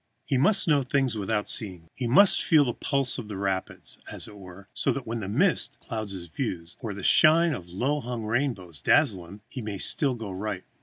He must know things without seeing them; must feel the pulse of the rapids, as it were, so that when a mist clouds his view, or the shine of a low hung rainbow dazzles him, he may still go right.